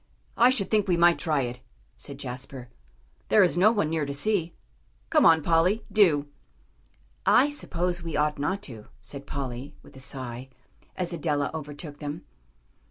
"I should think we might try it," said Jasper; "there is no one near to see. Come on, Polly, do." "I suppose we ought not to," said Polly, with a sigh, as Adela overtook them.